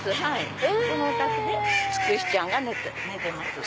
このお宅でつくしちゃんが寝てます。